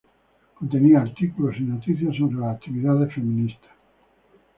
Contenía artículos y noticias sobre las actividades feministas.